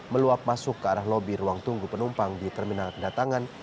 meluap masuk ke arah lobi ruang tunggu penumpang di terminal kedatangan